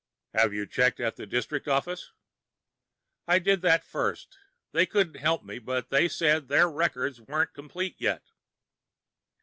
"Have you checked at the District Office?" "I did that first. They couldn't help me, but they said their records weren't complete yet."